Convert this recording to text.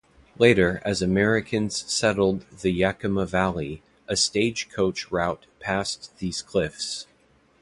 Later, as Americans settled the Yakima Valley, a stage coach route passed these cliffs.